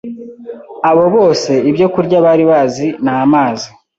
abo bose ibyo kurya bari bazi ni amazi